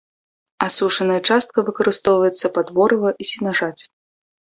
Асушаная частка выкарыстоўваецца пад ворыва і сенажаць.